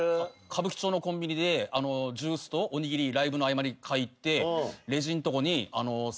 歌舞伎町のコンビニでジュースとおにぎりライブの合間に買い行ってレジんとこに。